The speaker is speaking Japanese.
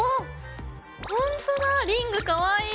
ほんとだリングかわいい！